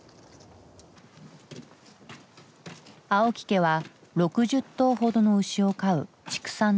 青木家は６０頭ほどの牛を飼う畜産農家。